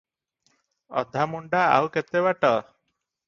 ଅଧାମୁଣ୍ଡା ଆଉ କେତେ ବାଟ?